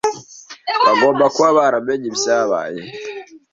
Bagomba kuba baramenye ibyabaye.